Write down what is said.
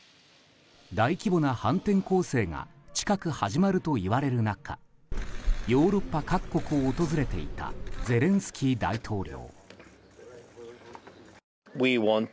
大規模な反転攻勢が近く始まるといわれる中ヨーロッパ各国を訪れていたゼレンスキー大統領。